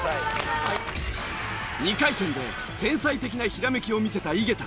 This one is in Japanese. ２回戦で天才的なひらめきを見せた井桁。